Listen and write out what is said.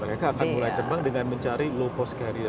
mereka akan mulai terbang dengan mencari low cost carrier